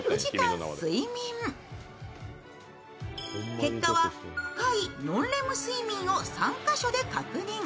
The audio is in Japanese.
結果は深いノンレム睡眠を３カ所で確認。